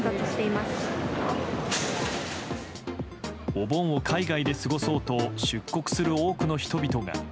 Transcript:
お盆を海外で過ごそうと出国する多くの人々が。